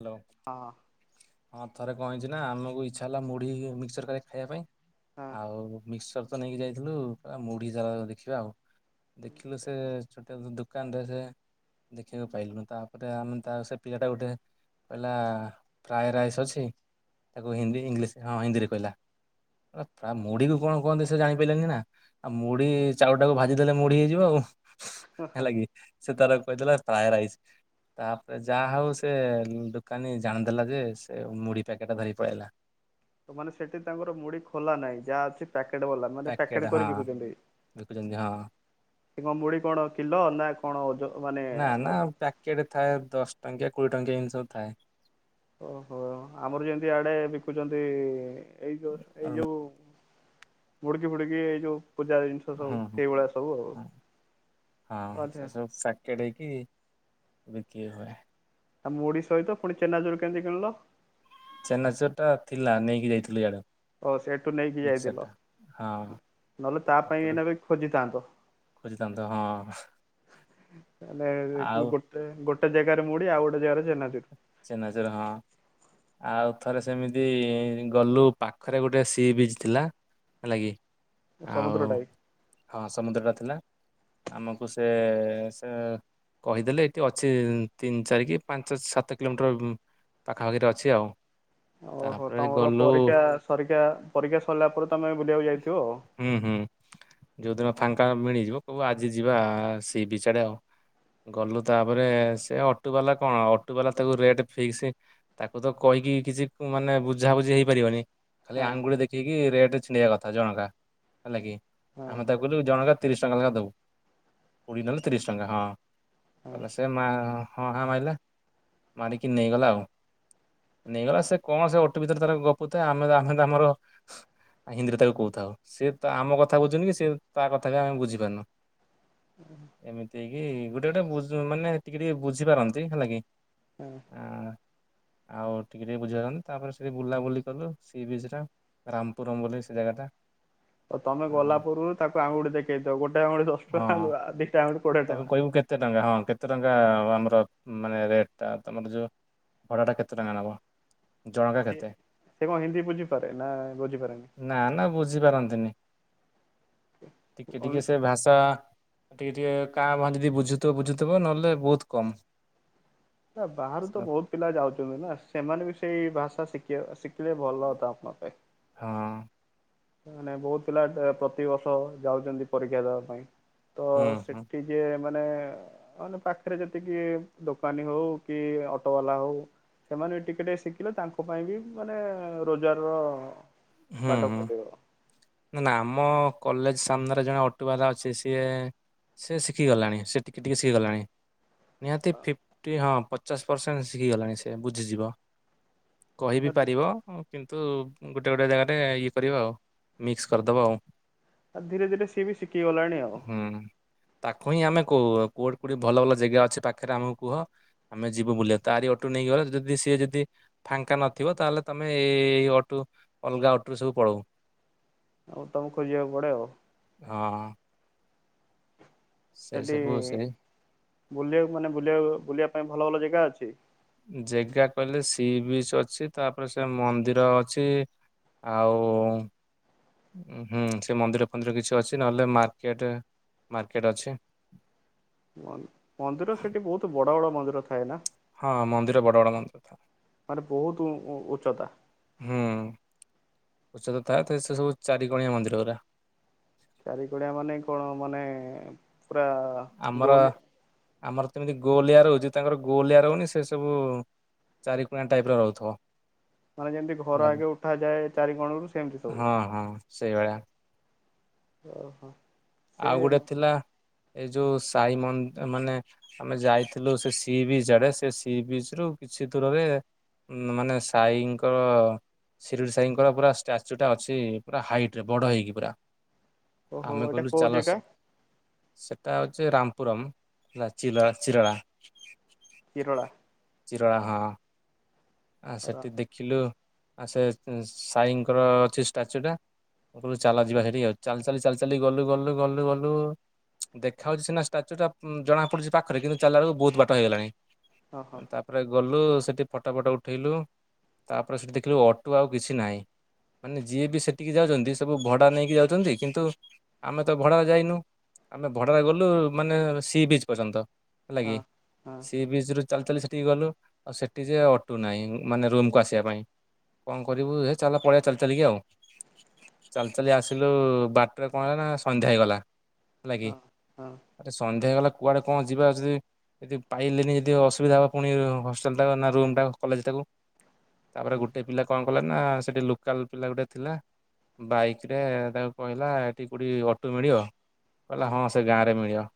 Hello. ହଁ। ହଁ ଥରେ କଣ ହିଛି ନା ଆମକୁ ଇଚ୍ଛା ହେଲା ମୁଢି ମିକ୍ସଚର କରି ଖାଇବା ପାଇଁ? ହଁ। ଆଉ ମିକ୍ସର ତ ନେଇକି ଯାଇଥିଲୁ ମୁଢି ସାର ଦେଖିବା ଆଉ? ଦେଖିଲେ ସେ ଛୋଟ ଦ ଦୋକାନରେ ଯାଇ ଦେଖିବାକୁ ପାଇଲୁ ତାପରେ ଆମେ ତା ସେ ପିଲାଟା ଗୋଟେ କହିଲା ଫ୍ରାଏ ରାଇସ୍ ଅଛି ତାକୁ ହିନ୍ଦୀ ଇଂଲିଶ ହଁ ହିନ୍ଦୀରେ କହିଲା। ପ୍ରାୟ ମୁଢିକୁ କଣ କୁହନ୍ତି ସେ ଜାଣିପିଲାନି ନା। ଆଉ ମୁଢି ଚାଉଳ ଟାକୁ ଭାଜି ଦେେଲେ ମୁଢି ହେଇଯିବ ଆଉ। ହେଲା କିି ସେ ତାର କହିଦେଥିଲା ଫ୍ରାଏ ରାଇସ୍ ତାପରେ ଯାହା ହଉ ସେ ଦୋକାନୀ ଯାଣି ଦେଲା ଯେ ସେ ମୁଢି ପ୍ୟାକେଟା ଧରିକି ପଳେଇଲା। ତ ମାନେ ସେଠି ତାଙ୍କର ମୁଢ ଖୋଲା ନାହିଁ ଯାହା ଅଛି ପ୍ୟାକେଟ ବାଲା ମାନେ ପ୍ୟାକେଟ କରି ବିକୁଛନ୍ତି। ବିକୁଛନ୍ତି ହଁ। ସେ କଣ ମୁଡି କଣ କିଲ ନା କଣ ଓଜନ୍ ମାନେ? ନା ନା ଓଜ ପ୍ୟାକେଟ ଥାଏ ଦଶ ଟଙ୍କିଆ କୋଡିଏ ଟଙ୍କିଆ ଏମିତି ସବୁ ଥାଏ। ଓହୋ ଆମର ଯେମିତି ଆଡ଼େ ବିକୁଛନ୍ତି ଏଇ ତ ଏଇ ଆଉ ଯୋଉ ମୁଡୁକି ଫୁଡୁକି ଏଇ ଯୋଉ ପୂଜା ଜିନିଷ ହଁ ସବୁ ହଁ। ସେଇଭଳିଆ ସବୁ ଆଉ ଆଛା ଆଛା। କେଡ଼େ କିି ବିକି ହୁଏ [inaudible] ଆଉ ମୁଡି ସହିତ ପୁଣି ଚେନାଚୁରୁ କେମିତି କିିଣିଲ? ଚେନାଚୁର ଟା ଥିଲା ନେଇକି ଯାଇଥିଲୁ ଇଆଡୁ। ଓ ସେଇଠୁ ନେଇକି ମିକ୍ସଚର ଯାଇଥିଲ ଟା ହଁ। ନହେଲେ ତା ପାଇଁ ଏଇନା ବି ଖୋଜିଥାନ୍ତ। ଖୋଜିଥାନ୍ତୁ ହଁ। ତାଲେ ଆଉ ଗୋଟେ ଗୋଟେ ଜାଗାରେ ମୁଡି ଆଉ ଗୋଟେ ଜାଗାରେ ଚେନାଚୁରୁ। ଚେନାଚୁର ହଁ। ଆଉ ଥରେ ସେମିତି ଗଲୁ ପାଖରେ ଗୋଟେ ସି ବିଚ୍ ଥିଲା। ହେଲା କିି ସମୁଦ୍ର ଆଉ ଟାଇ ହଁ ସମୁଦ୍ରଟା ଥିଲା। ଆମକୁ ସେ ସେ କହିଦେଲେ ଏଠି ଅଛି ତିନି ଚାରି କି ପାଞ୍ଚ ଛ ସାତ କିଲୋମିଟର ପାଖାପାଖିରେ ଅଛି ଆଉ। ଓହୋ ତାପରେ ତମର ଗଲୁ ପରୀକ୍ଷା ସରୀକ୍ଷା ପରୀକ୍ଷା ସରିଲା ପରେ ତମେ ବୁଲିବାକୁ ଯାଇଥିବ ଆଉ। ହୁଁ ହୁଁ ଯୋଉଦିନ ଫାଙ୍କା ମିଳିଯିବ କହିବ ଆଜି ଯିବା ସି ବିଚାଡେ ଆଉ। ଗଲୁ ତାପରେ ସେ ଅଟୋ ବାଲା କଣ ଅଟ ଅଟୁ ବାଲା ତାକୁ ରେଟ ଫିକ୍ସ ତାକୁ ତ କହିକି କିଛି ମାନେ ବୁଝାବୁଝି ହେଇପାରିବନି ଖାଲି ହଁ ଆଙ୍ଗୁଳି ଦେଖେଇକି ରେଟ ଛିଣ୍ଡେଇବା କଥା ଜଣଙ୍କ ହେଲା କି ହଁ ଆମେ ତାକୁ କହହଛନ୍ତି ଜଣଙ୍କା ତିରିଶ ଟଙ୍କା ଲେଖା ଦେବୁ ପୁରୀ ନେଲେ ତିରିଶ ଟଙ୍କା ହଁ ହଁ କ ସେ ମା ହଁ ହଁ ମାରିଲା। ମାରିକି ନେଇଗଲା ଆଉ। ନେଇଗଲା ସେ କଣ ସେ ଅଟୋ ଭିତରେ ତାର ଗପୁ ଥାଏ ଆମେ ଆମେ ତ ଆମର ହିନ୍ଦୀରେ ତାକୁ କହୁଥାଉ ସେ ତ ଆମ କଥା ବୁଝୁନି କି ସେ ତା କଥା ବି ଆମେ ବୁଝିପାରୁନୁ। ଏମିତି କି ଗୋଟେ ଗୋଟେ ମାନେ ଟିକେ ଟିକେ ବୁଝିପାରନ୍ତି ହେଲା କି। ହଁ ଆ ଆଉ ଟିକେ ଟିକେ ବୁଝିପାରନ୍ତି ତାପରେ ସେଠି ବୁଲାବୁଲି କଲୁ ସି ବିଚ୍ ଟା। ରାମପୁରମ୍ ବୋଲି ସେ ଜାଗା ଟା। ଆଉ ତମେ ଗଲା ପୂର୍ବରୁ ତାକୁ ଆଙ୍ଗୁଠି ଦେଖେଇଦିଅ ଗୋଟେ ଆଙ୍ଗୁଳି ଦଶ ଟଙ୍କା ହଁ ଆଉ ଦିଟା ଆଙ୍ଗୁଳି କୋଡିଏ ତାକୁ ଟଙ୍କା। କହିବୁ କେତେ ଟଙ୍କା ହଁ କେତେ ଟଙ୍କା ଆମର ମାନେ ରେଟ୍ ଟା ତମର ଯୋଉ ଭଡା ଟା କେତେ ଟଙ୍କା ନବ? ଜଣକା ସିଏ କେତେ ସିଏ କଣ ହିନ୍ଦୀ ବୁଝିପାରେ ନା ବୁଝିପାରେନି? ନା ନା ବୁଝିପାରନ୍ତିନି ଟିକେ ଟିକେ ସେ ଭାଷା ଟିକେ ଟିକେ କାଁ ଭା ଯଦି ବୁଝୁଥିବ ବୁଝୁଥିବ ନହେଲେ ବହୁତ କମ୍। ନା ବାହାରୁ ତ ବହୁତ ପିଲା ଯାଉଛନ୍ତି ନା ସେମାନେ ବି ସେଇ ଭାଷା ଶିଖିବା ଶିଖିଲେ ଭଲଥା ଆପଣଙ୍କ ପାଇଁ। ହଁ। ମାନେ ବହୁତ ପିଲା ପ୍ରତିବର୍ଷ ଯାଉଛନ୍ତି ପରୀକ୍ଷା ଦେବା ପାଇଁ ତ ହୁଁ ହୁଁ ସେଠି ଯିଏ ମାନେ ମାନେ ପାଖରେ ଯେତିକି ଦୋକାନୀ ହଉ କି ଅଟୋ ବାଲା ହଉ। ସେମାନେ ବି ଟିକେ ଟିକେ ଶିଖିଲେ ତାଙ୍କ ପାଇଁ ବି ମାନେ ରୋଜଗାରର ହୁଁ ବାଟ ହୁଁ ଖୋଲିବ। ନା ନା ଆମ କଲେଜ ସାମ୍ନାରେ ଜଣେ ଅଟୋ ବାଲା ଅଛି ସିଏ ସିଏ ଶିଖିଗଲାଣି ସିଏ ଟିକେ ଟିକେ ଶିଖିଗଲାଣି। ନିହାତି ଫିଫଟି ହଁ ପଚାଶ ପରସେଣ୍ଟ ଶିଖିଗଲାଣି ସେ ବୁଝିଯିବ। କହିବି ପାରିବ କିନ୍ତୁ ଗୋଟେ ଗୋଟେ ଜାଗାରେ ଇଏ କରିବ ଆଉ। ମିକ୍ସ କରିଦବ ଆଉ। ଆଉ ଧୀରେ ଧୀରେ ସିଏବି ଶିଖି ଗଲାଣି ଆଉ। ହୁଁ। ତାକୁ ହିଁ ଆମେ କହୁ କୋଉଠି କୋଉଠି ଭଲ ଭଲ ଜାଗା ଅଛି ପାଖରେ ଆମକୁ କୁହ। ଆମେ ଯିବୁ ବୁଲିବା ତାରି ଅଟୋ ନେଇକି ଗଲେ ଯଦି ସିଏ ଯଦି ଫାଙ୍କା ନଥିବ ତାହେଲେ ତମେ ଏଇଇ ଅଟୋ ଅଲଗା ଅଟୋରେ ସବୁ ପଳଉ। ଆଉ ତମକୁ ଖୋଜିବାକୁ ପଡେ ଆଉ। ହଁ। ସେ ସେଠି ସବୁ ସେ ବୁଲିବାକୁ ମାନେ ବୁଲିବାକୁ ବୁଲିବା ପାଇଁ ଭଲ ଭଲ ଜେଗା ଅଛି। ଜେଗା କହିଲେ ସି ବିଚ୍ ଅଛି ତାପରେ ସେ ମନ୍ଦିର ଅଛି। ଆଉ ହୁଁ ସେ ମନ୍ଦିର ଫନ୍ଦିର କିଛି ଅଛି ନହେଲେ ମାର୍କେଟ ମାର୍କେଟ ଅଛି। ମନ୍ଦିର ସେଇଠି ବହୁତ ବଡ଼ ବଡ଼ ମନ୍ଦିର ଥାଏ ନା। ହଁ ମନ୍ଦିର ବଡ ବଡ ମନ୍ଦିର। ମାନେ ବହୁତ ଉ ଉଚ୍ଚତା। ହୁଁ ଉଚ୍ଚତା ଥାଏ ତ ସେ ସବୁ ଚାରିିକଣିଆ ମନ୍ଦିର ଗୁରା। ଚାରି କୋଡିଆ ମାନେ କଣ ମାନେ ପୁରା ଆମର ଗୋଲ ଆମର ଯେମିତି ଗୋଳିଆ ରହୁଛି ତାଙ୍କର ଗୋଳିଆ ରହୁନି ସେ ସବୁ ଚାରି କନିଆ ଟାଇପର ରହୁଥିବ। ମାନେ ଯେମିତି ଘର ହେଲା କି ଆଗେ ଉଠାଯାଏ ଚାରି କଣରୁ ସେମିତି ସବୁ। ହଁ ହଁ। ସେଇଭଳିଆ। ଓହୋ। ସେ ଆଉ ଗୋଟେ ଥିଲା ଏଇ ଯୋଉ ସାଇ ମନ୍ଦ ମାନେ ଆମେ ଯାଇଥିଲୁ ସେ ସି ବିଚ ଆଡେ ସେ ସି ବିଚ ରୁ କିଛି ଦୂରରେ ମାନେ ସାାଇଙ୍କର ଶିରିଡି ସାଇଙ୍କର ପୁରା ଷ୍ଟାଚୁ ଟା ଅଛି ପୁରା ହାଇଟରେ ବଡ ହେଇକି ପୁରା। ଓହୋ ଆମେ ଏଇଟା କହିଲୁ କୋଉ ଚାଲ ଜେଗା? ସେଟା ହେଉଛି ରାମପୁରମ୍ ହେଲା ଚି ଚିରଣା। କିରୋଳା। ଚିରଳା ହଁ। ଆ ସେଠି ଦେଖିଲୁ ଆ ସେ ସାଇଙ୍କର ଅଛି ଷ୍ଟାଚୁ ଟା। ହୋଉ ଚାଲ ଯିବା ସେଇଠି ଆଉ ଚା ଚାଲି ଚାଲି ଚାଲି ଗଲୁ ଗଲୁ ଗଲୁ ଗଲୁ। ଦେଖା ହଉଛିି ସିନା ଷ୍ଟାଚୁ ଟା ଉଁ, ଜଣା ପଡୁଛି ପାଖରେ କିନ୍ତୁ ଚାଲଲା ବେଳକୁ ବହୁତ ବାଟ ହେଇଗଲାଣି। ଓହୋ ହଁ। ତାପରେ ଗଲୁ ସେଠି ଫଟୋ ଫଟୋ ଉ ଠେଇଲୁ ତାପରେ ସେଠି ଦେଖିଲୁ ଅଟୋ ଆଉ କିଛି ନାଇ। ମାନେ ଯିଏ ବି ସେଠିକି ଯାଉଛନ୍ତି ସବୁ ଭଡ଼ା ନେଇକି ଯାଉଛନ୍ତି କିନ୍ତୁ ଆମେ ତ ଭଡ଼ା ଯାଇନୁ। ଆମେ ଭଡ଼ାରେ ଗଲୁ ମାନେ ସି ବିଚ୍ ପର୍ଯ୍ୟନ୍ତ। ହେଲା କିି ହଁ ହଁ ସି ବିଚ୍ ରୁ ଚାଲି ଚାଲି ସେଠିକ ଗଲୁ। ଆଉ ସେଠି ଯେ ଅ ଟୁ ନାଇଁ ମାନେ ରୁମ୍ କୁ ଆସିଆ ପାଇଁ। କଣ କରିବୁ ହେ ଚାଲ ପଳେଇଆ ଚାଲି ଚାଲିକି ଆଉ। ଚାଲି ଚାଲି ଆସିଲୁ ବାଟରେ କଣ ହେଲା ନା ସନ୍ଧ୍ୟା ହେଇଗଲା ହେଲା କି। ହଁ ହଁ। ଆରେ ସନ୍ଧ୍ୟା ହେଇଗଲା କୁଆଡେ କଣ ଯିବା ଯି ଯଦି ପାଇଲେନି ଯଦି ଅସୁବିଧା ହବ ପୁଣି ହଷ୍ଟେଲ୍ ଟା ନା ରୁମ୍ ଟା କଲେଜ୍ ଟାକୁ ତାପରେ ଗୋଟେ ପିଲା କଣ କଲା ନା ସେଠି ଲୋକାଲ ପିଲା ଗୋଟେ ଥିଲା। ବାଇକ୍ ରେ ତାକୁ କହିଲା ଏଠି କୋଉଠି ଅଟୋ ମିଳିବ? କହିଲା ହଁ ସେ ଗାଁ ରେ ମିଳିବ।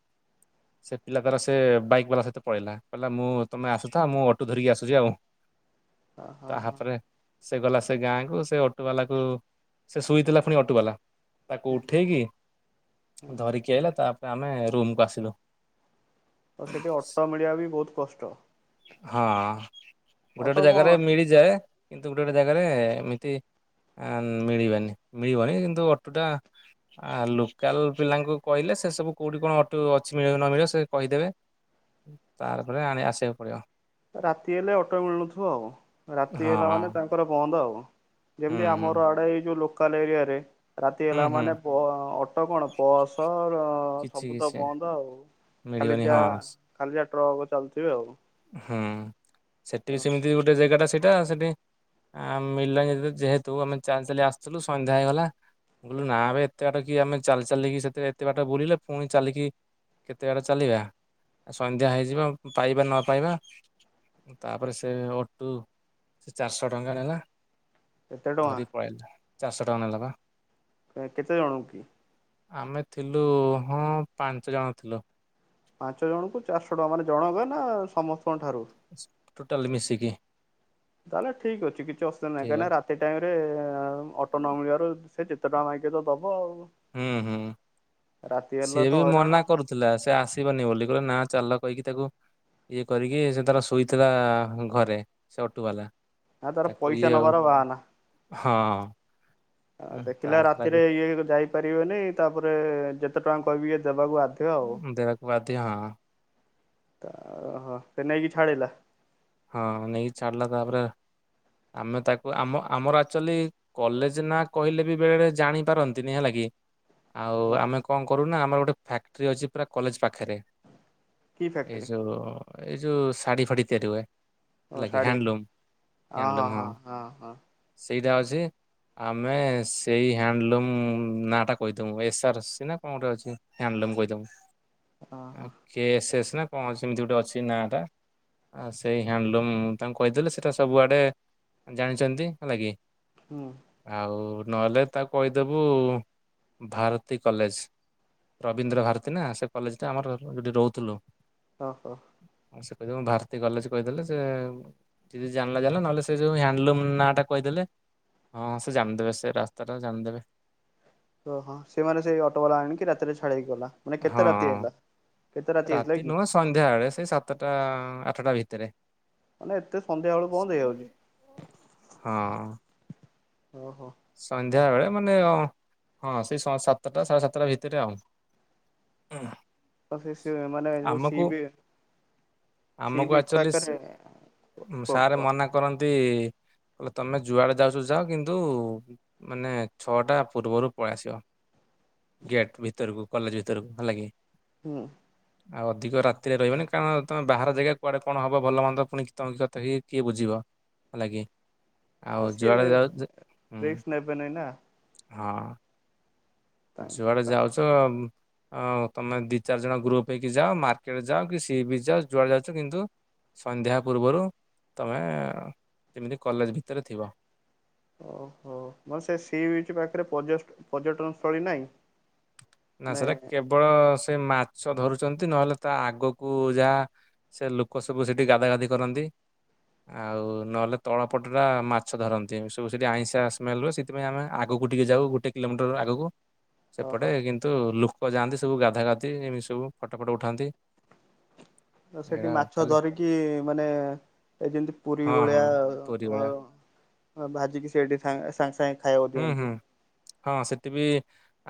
ସେ ପିଲା ତାର ସେ ବାଇକ୍ ବାଲା ସହିତ ପଳେଇଲା କହିଲା ମୁଁ ତୁମେ ଆସୁଥା ମୁଁ ଅଟୋ ଧରିକି ଆସୁଛି ଆଉ। ହଁ ହଁ ତା ହଁ ହାତରେ ସେ ଗଲା ସେ ଗାଁକୁ ସେ ଅଟୋବାଲା କୁ ସେ ଶୋଇଥିଲା ପୁଣି ଅଟୋବାଲା। ତାକୁ ଉଠେଇକି ଧରିକି ଆଇଲା ତାପରେ ଆମେ ରୁମ୍ କୁୁ ଆସିଲୁ। ତ ସେଠି ଅଟୋ ମିଳିବା ବି ବହୁତ କଷ୍ଟ। ହଁ ଗୋଟେ ଗୋଟେ ଅଟୋ କଣ ଜାଗାରେ ମିଳିଯାଏ। କିନ୍ତୁ ଗୋଟେ ଗୋଟେ ଜାଗାରେ ଏମିତି ଆ, ମିଳିବନି ମିଳିବନି କିନ୍ତୁ ଅଟୋଟା ଆ, ଲୋକାଲ ପିଲାଙ୍କୁ କହିଲେ ସେ ସବୁ କୋଉଠି କଣ ଅଟୋ ଅଛି ମିଳିବ କି ନ ମିଳିବ ସେ କହିଦେବେ। ତାରପରେ ଆଣି ଆସିବାକୁ ପଡିବ। ରାତି ହେଲେ ଅଟୋ ମିଳୁନଥିବ ଆଉ। ରାତି ହଁ ହେଲା ମାନେ ତାଙ୍କର ବନ୍ଦ ଆଉ। ହୁଁ ଯେମିତି ହୁଁ ଆମର ଆଡେ ଏଇ ଯୋଉ ଲୋକାଲ ଏରିଆରେ। ରାତି ହୁଁ ହେଲା ହୁଁ ମାନେ ବ-ଅଟୋ କଣ ବସ ର କିଛି ସବୁ ତ କିଛି ବନ୍ଦ ଆଉ। ଖାଲି ମିଳିବନି ଯା ହଁ। ଖାଲି ଯା ଟ୍ରକ ଚାଲଥିବେ ଆଉ କଁ। ହୁଁ, ସେଠି ସେମିତି ଗୋଟେ ଜାଗାଟା ସେଇଟା ସେଠି ଆ, ମିଳିଲାନି ଯେହେତୁ ଆମେ ଚାଲି ଚାଲି ଆସଥିଲୁ ସନ୍ଧ୍ୟା ହେଇଗଲା। ମୁଁ କଇଲି ନା ବେ ଏତେ ବାଟ କି ଆମେ ଚାଲି ଚାଲିକି ସେତେଳେ ଏତେ ବାଟ ବୁଲିଲେ। ପୁଣି ଚାଲିକି କେତେ ବାଟ ଚାଲିବା? ଆ, ସନ୍ଧ୍ୟା ହେଇଯିବ ପାଇବା ନ ପାଇବା ତାପରେ ସେ ଅଟୁ ସେ ଚାରିଶହ ଟଙ୍କା ନେଲା। କେତେ ଟଙ୍କା ଧରି ପଳେଇଲା ଚାରିଶହ ଟଙ୍କା ନେଲା ବା। ଅ, କେତେ ଜଣ କି? ଆମେ ଥିଲୁ ହଁ ପାଞ୍ଚ ଜଣ ଥିଲୁ। ପାଞ୍ଚ ଜଣଙ୍କୁ ଚାରିଶହ ଟଙ୍କା ମାନେ ଜଣଙ୍କ ନା ସମସ୍ତଙ୍କ ଠାରୁ? ଟୋଟାଲ ମିଶିକି। ତାହେଲେ ଠିକ୍ ଅଛି କିଛି ଅସୁବିଧା ନାହିଁ। ଠିକ କାହିଁକି ନା ରାତି ଟାଇମ୍ ରେ ଅଟୋ ନ ମିଳିବାରୁ ସେ ଯେ ତେ ଟଙ୍କା ମାଗିବ ତ ଦବ ଆଉ। ହୁଁ, ହୁଁ ରାତି ହେଲେ ସିଏ ତ ବି ହଇରାଣ ମନା ଆଉ କରୁ ଥିଲା, ସେ ଆସିବନି ବୋଲି କହିଲେ ନା ଚାଲ କହିକି ତାକୁ ଇଏ କରିକି ସେ ତାର ଶୁଇଥିଲା ଘରେ ସେ ଅଟୁ ବାଲା। ନା ତାର ତାକୁ ଇୟ ପଇସା ନବାର ବାହାନା। ହଁ ଆଉ ଦେଖିଲା ତାପରେ ତାକୁ ରାତିରେ ଇଏ ଯାଇପାରିବେନି। ତାପରେ ଯେତେ ଟଙ୍କା କହିବି ଇଏ ଦେବାକୁ ବାଧ ଦେବାକୁ ବାଧ୍ୟ ହଁ। ତ ଅ, ଓହୋ ସେ ନେଇକି ଛାଡ଼ିଲା। ହଁ ନେଇକି ଛାଡିଲା ତାପରେ ଆମେ ତାକୁ ଆମ ଆମର ଆକ୍ଚଲି କଲେଜ୍ ନାଁ କହିଲେ ବି ବେଳେବେଳେ ଜାଣି ପାରନ୍ତିନି ହେଲା କି। ଆଉ ଓ ଆମେ କଣ କରୁ ନା ଆମର ଗୋଟେ ଫ୍ୟାକ୍ଟ୍ରି ଅଛି ପୁରା କଲେଜ୍ ପାଖେରେ। କି ଏଇ ଫ୍ୟାକ୍ଟ୍ରି ଯୋଉ ଏଇ ଯୋଉ ଶାଢୀ ଫାଡି ତିଆରି ହୁଏ। ଓ ହେଲା କି ଶାଢ଼ୀ ହ୍ୟାଣ୍ଡଲୁମ୍-ହ୍ୟାଣ୍ଡଲୁମ୍ ହଁ ସେଇଟା ଅଛି। ଆମେ ସେଇ ହ୍ୟାଣ୍ଡଲୁମ୍ ନାଁ ଟା କହିଦବୁ ଏସ୍ଆର୍ ସି ନା କଣ ଗୋଟେ ଅଛି ହ୍ୟାଣ୍ଡଲୁମ୍ ହଁ ହଁ କହିଦବୁ। ହଁ କେ ଏସ୍ ଏସ୍ ନା କଣ ଅଛି ଏମ୍ ତି ଗୋଟେ ଅଛି ନାଁ ଟା, ଆଁ ସେଇ ହ୍ୟାଣ୍ଡଲୁମ୍ ତାଙ୍କୁ କହିଦେଲେ ସେଇଟା ସବୁଆଡ଼େ ଜାଣିଚନ୍ତି ହେଲା କି। ହୁଁ। ଆଉ ନହେଲେ ତାକୁ କହିଦବୁ ଭାରତୀ କଲେଜ୍। ରବୀନ୍ଦ୍ର ଭାରତୀ ନା ସେ କଲେଜଟା ଆମର ଯଉଠି ରହୁଥିଲୁ। ଓହୋ। ସେ [unintelligible] ଭାରତୀ କଲେଜ୍ କହିଦେଲେ ସେ ଯଦି ଜାଣିଲା-ଜାଣିଲା ନହେଲେ ସେ ଯୋଉ ହ୍ୟାଣ୍ଡଲୁମ୍ ନାଁଟା କହିଦେଲେ ହଁ ସେ ଜାଣିଦେବେ ସେ ରାସ୍ତାଟା ଜାଣିଦେବେ। ତ ହଁ ସେ ମାନେ ସେଇ ଅଟୋବାଲା ଆଣିକି ରାତିରେ ଛାଡିକି ଗଲା ମାନେ କେତେ ହଁ ରାତି ହେଲା? କେତେ ହେଇଥିଲା ରାତି କି ନୁହଁ ସନ୍ଧ୍ୟା ବଳେ ସେଇ ସାତଟା ଆଠେଟା ଭିତେରେ। ମାନେ ଏତେ ସନ୍ଧ୍ୟା ବେଳୁ ବନ୍ଦ ହେଇଯାଉଛି ହଁ। ଓହୋ ସନ୍ଧ୍ୟାବେଳେ ମାନେ ହଁ-ହଁ ସେଇ ସାତଟା ସାଢେ ସାତଟା ଭିତେରେ ଆଉ। ହଁ। [inaudible] ସି ଆମକୁ ବିଚ୍ ଆଚଲି ପାଖରେ କୋ ସାରେ କୋ ମନା କରନ୍ତି କହିଲେ ତମେ ଯୁଆଡେ ଯାଉଚ ଯାଅ କିନ୍ତୁ ମାନେ ଛଅଟା ପୂର୍ବରୁ ପଳେଇ ଆସିବ। ଗେଟ୍ ଭିତରକୁ କଲେଜ୍ ଭିତରକୁ ହେଲାକି। ହୁଁ। ହଁ ଆଉ ଅଧିକ ରାତିରେ ରହିବନି କାରଣ ତମେ ବାହାର ଜେଗା କୁଆଡେ କଣ ହବ ଭଲ ମନ୍ଦ ପୁଣି [unintelligible] କିଏ ବୁଝିବ। ହେଲା କିି ତ ଆଉ ସିଏ ଯୁଆଡେ ଯାଉଚ ରିକ୍ସ ନେବେନେଇଁ ନା। ହଁ। ତା ଯୁଆଡେ ତା ଯାଉଚ ଅ ତମେ ଦି ଚାରି ଜଣ ଗ୍ରୁପ୍ ହେଇକି ଯାଅ, ମାର୍କେଟ୍ ଯାଅ କି ସି ବିଚ୍ ଯାଅ ଯୁଆଡେ ଯାଉଚ କିନ୍ତୁ ସନ୍ଧ୍ୟା ପୂର୍ବରୁ ତମେ ଯେମିତି କଲେଜ୍ ଭିତରେ ଥିବ। ଓହୋ, ମାନେ ସେ ସି ବିଚ୍ ପାଖେରେ ପର୍ଯ୍ୟ ପର୍ଯ୍ୟଟନ ସ୍ଥଳୀ ନାହିଁ? ନା ସାରେ ମାନେ କେବଳ ସେ ମାଛ ଧରୁଚନ୍ତି ନହେଲେ ତା ଆଗକୁ ଯାହା ସେ ଲୋକ ସବୁ ସେଠି ଗାଧା ଗାଧି କରନ୍ତି। ଆଉ ନହେଲେ ତଳପଟ ଟା ମାଛ ଧରନ୍ତି ଏମ୍ତି ସବୁ ସେଠି ଆଇଁଷା ସ୍ମେଲ୍ ହୁଏ [unintelligible] ସେଥିପାଇଁ ଆମେ ଆଗକୁ ଟିକେ ଯାଉ ଗୋଟେ କିଲୋମିଟର୍ ଆଗକୁ ସେପଟେ ଓହୋ କି ନ୍ତୁ ଲୋକ ଯାଆନ୍ତି ସବୁ ଗାଧା ଗାଧି ଏମିତି ସବୁ ଫଟୋ-ଫଟୋ ଉଠାନ୍ତି। ତ ସେଠି ଏଇଟା ଆଉ ମାଛ ଖାଲି ଧରିକି ମାନେ ଏ ଯେନ୍ତି ପୁରୀ ହଁ ହଁ ଭଳିଆ ପୁରୀ ଭଳିଆ ଅ ଭାଜିକି ସେଠି ସା ସାଙ୍ଗେ-ସାଙ୍ଗେ ହୁଁ-ହୁଁ ହଁ ସେଠି ବି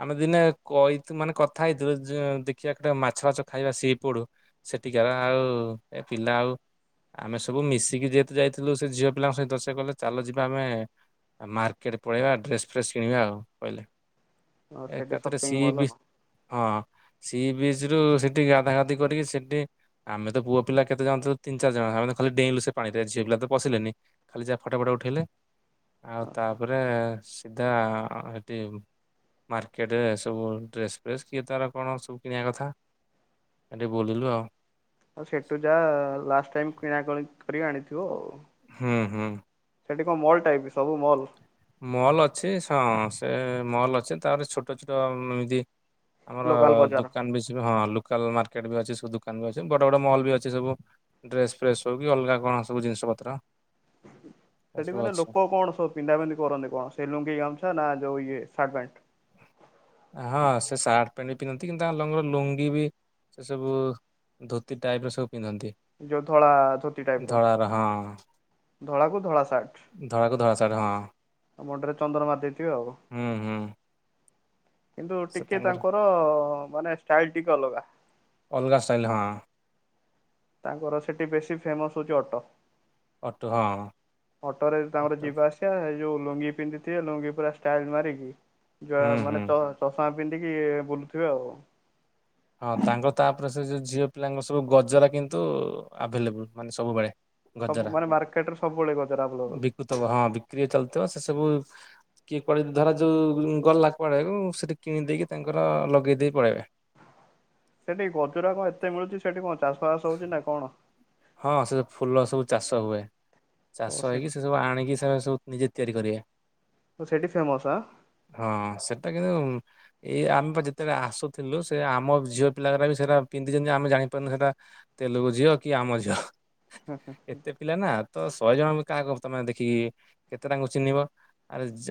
ଆମେ ଦିନେ କହି ମାନେ କଥା ହେଇଥିଲୁ [unintelligible] ଦେଖିବା [unintelligible] ମାଛ [unintelligible] ଖାଇବା ସି ଫୁଡୁ। ସେଠିକାର ଆଉ ଏ ପିଲା ଆଉ ଆମେ ସବୁ ମିଶିକି ଯେହେତୁ ଯାଇଥିଲୁ ସେ ଝିଅ ପିଲାଙ୍କ ସହିତ। ସେ କହିଲେ ଚାଲ ଯିବା ଆମେ ଆଉ ମାର୍କେଟ ପଳେଇବା ଡ୍ରେସ୍ ଫ୍ରେସ୍ କିଣିବା ଆଉ କହିଲେ। ହଁ ସେଠି ଏକାଥରେ ସପିଙ୍ଗ ସିଏ ମଲ ବି ହଁ ହଁ ସି ବିଚ୍ ରୁ ସେଠି ଗାଧାଗାଧି କରିକି ସେଠି ଆମେ ତ ପୁଅ ପିଲା କେତେ ଜଣ ଥିଲୁ ତିନ୍ ଚାରି ଜଣ ଆମେ ତ ଖାଲି ଡେଇଁଲୁ ସେ ପାଣିରେ। ଝିଅ ପିଲା ତ ପଶିଲେନି। ଖାଲି ଯାହା ଫଟ ଫଟ ଉଠେଇଲେ। ଆଉ ତାପରେ ସିଧା ଏଠି ମାର୍କେଟରେ ସବୁ ଡ୍ରେସ୍ ଫେସ୍ କିଏ ତାର କଣ ସବୁ କିଣିବା କଥା। ସେଠି ବୁଲିଲୁ ଆଉ। ଆଉ ସେଠୁ ଯାଆ ଲାଷ୍ଟ ଟାଇମ୍ କିଣାକଣି କରି ଆଣିଥିବ ଆଉ। ହୁଁ ହୁଁ। ସେଠି କଣ ମଲ୍ ଟାଇପ୍ ସବୁ ମଲ୍। ମଲ୍ ଅଛି ସ ହଁ ସେ ମଲ୍ ଅଛି ତାରେ ଛୋଟ ଛୋଟ ଏମିତି। ଆମର ଲୋକାଲ ବଜାର। ଦୋକାନ ବିଜ୍ସ ହଁ ଲୋ ଲୋକଲ୍ ମାର୍କେଟ ବି ଅଛି। ସବୁ ଦୋକାନ ବି ଅଛି। ବଡ ବଡ ମଲ୍ ବି ଅଛି ସବୁ। ଡ୍ରେସ୍ ଫ୍ରେସ୍ ହଉ କି ଅଲଗା କଣ ସବୁ ଜିନିଷ ପତ୍ର। ଏ ସେଠି ସବୁ ମାନେ ଅଛି। ଲୋକ କଣ ସ ପିନ୍ଧା ପିଧି କରନ୍ତି କଣ ସେ ଲୁଙ୍ଗି ଗାମୁଛା ନା ଯୋଉ ଇଏ ସାର୍ଟ ପ୍ୟାଣ୍ଟ? ହଁ ସେ ସାର୍ଟ ପ୍ୟାଣ୍ଟ ବି ପିନ୍ଧନ୍ତି କିନ୍ତୁ ତାଙ୍କର ଲଙ୍ଗର ଲୁଙ୍ଗୀ ବି ସେ ସବୁ ଧୋତି ଟାଇପ୍ ର ସବୁ ପିନ୍ଧନ୍ତି। ଯୋଉ ଧଳା ଧୋତି ଟାଇପ୍ ର। ଧଳାର ହଁ ଧଳାକୁ ଧଳା ସାର୍ଟ। ଧଳାକୁ ଧଳା ସାର୍ଟ ହଁ ମୁଣ୍ଡରେ ଚନ୍ଦନ ମାରି ଦେଇଥିବେ ଆଉ। ହୁଁ ହୁଁ। କିନ୍ତୁ ଟିକେ ତାଙ୍କର ମାନେ ଷ୍ଟାଇଲ ଟିକେ ଅଲଗା ଅଲଗା ଷ୍ଟାଇଲ୍ ହଁ। ତାଙ୍କର ସେଠି ବେଶୀ ଫେମସ୍ ହଉଛି ଅଟ। ଅଟୁ ହଁ ଅଟୋରେ ତାଙ୍କର ଅଟୁ ଯିବା ଆସି ଯୋଉ ଲୁଙ୍ଗି ପିନ୍ଧିଥିବେ ଲୁଙ୍ଗି ପୁରା ଷ୍ଟାଇଲ ମାରିକି ଯ ହୁଁ ହୁଁ। ମାନେ ତ ଚଷମା ପିନ୍ଧିକି ବୁଲୁଥିବେ ଆଉ। ହଁ ତାଙ୍କର ତାପରେ ସେ ଯୋଉ ଝିଅ ପିଲାଙ୍କ ସବୁ ଗଜରା କିନ୍ତୁ ଆଭେଲେବୁଲ୍ ମାନେ ସବୁବେଳେ। ଗଜରା। ସବୁ ମାନେ ମାର୍କେଟ ରେ ସବୁବେଳେ ଗଜରା ଆଭେଲେବୁଲ। ହଁ ବିକ୍ରି ଚାଲିଥିବ ସେ ସବୁ କିଏ କୁଆଡେ ଧର ଯୋଉ ଗଲା କୁଆଡେ ଉଁ ସେଠି କିଣି ଦେଇକି ତାଙ୍କର ଲଗେଇ ଦେଇ ପଳେଇବେ ସେଠି ଗଜରା କଣ ଏତେ ମିଳୁଛି ସେଠି କଣ ଚାଷବାସ ହଉଛି ନା କଅଣ? ହଁ ସେ ଫୁଲ ସବୁ ଚାଷ ହୁଏ। ଓ ଚାଷ ସେ ହେଇକି ସେସବୁ ଆଣିକି ସେଆ ସବୁ ନିଜେ ତିଆରି କରିବା। ତ ସେଇଠି ଫେମସ୍ ଆଁ? ହଁ ସେଟା କିନ୍ତୁ ଏଇ ଆମେ ପା ଯେତେବେଳେ ଆସୁଥିଲୁ ସେ ଆମ ଝିଅ ପିଲାରା ବି ସେରା ପିନ୍ଧିଛନ୍ତି ଆମେ ଜାଣିପାରୁନୁ ସେଟା ତେଲୁଗୁ ଝିଅ କି ଆମ ଝିଅ। ହୁଁ ହୁଁ। ଥିଲାନା ତ ଶହେ ଜଣ କାହା ତମେ ଦେଖିକି କେତେ ତାଙ୍କୁ ଚିହ୍ନିବ। ଆରେ ସେ